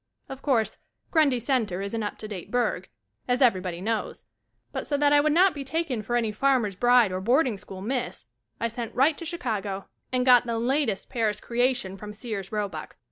Of course, Grundy Center is an up to date burg, as everybody knows, but so that I would not be taken for any farmer's bride or boarding school Miss, I sent right to Chicago and got the latest Paris creation from Sears Robuck.